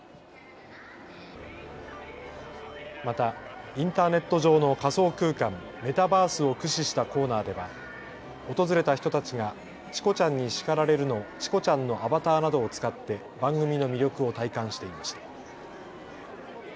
またインターネット上の仮想空間・メタバースを駆使したコーナーでは訪れた人たちがチコちゃんに叱られる！のチコちゃんのアバターなどを使って番組の魅力を体感していました。